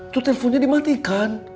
itu teleponnya dimatikan